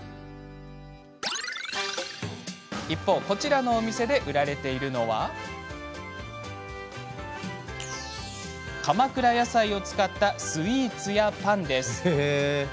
一方、こちらのお店で売られているのは鎌倉やさいを使ったスイーツやパン。